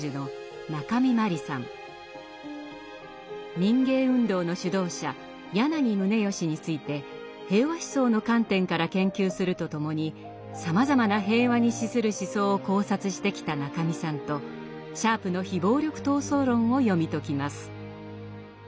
民藝運動の主導者柳宗悦について平和思想の観点から研究するとともにさまざまな平和に資する思想を考察してきた中見さんとシャープの非暴力闘争論を読み解きます。